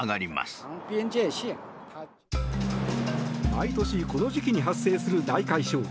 毎年この時期に発生する大海嘯。